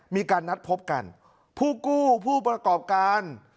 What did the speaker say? มีการนัดพบกันผู้กู้ผู้ประกอบการ